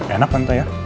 enak tante ya